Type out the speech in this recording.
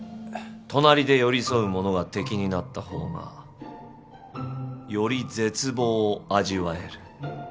隣で寄り添う者が敵になった方がより絶望を味わえる。